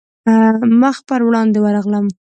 مخ پر وړاندې ورغلم.